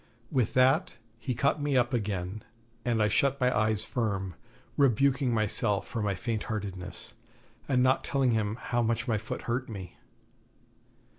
With that he caught me up again, and I shut my eyes firm, rebuking myself for my faint heartedness, and not telling him how much my foot hurt me.